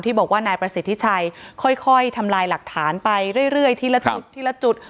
บอกว่านายประสิทธิชัยค่อยทำลายหลักฐานไปเรื่อยทีละจุดทีละจุด